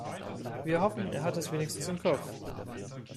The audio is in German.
Wir hoffen, er hat es wenigstens im Kopf!